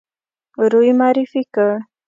روی معرفي کړ.